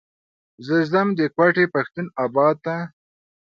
زه ځم د کوتي پښتون اباد ته.